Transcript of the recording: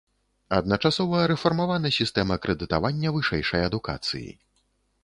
Адначасова рэфармавана сістэма крэдытавання вышэйшай адукацыі.